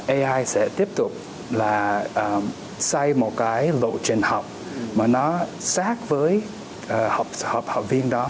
ai sẽ tiếp tục là xây một cái lộ trình học mà nó sát với học viên đó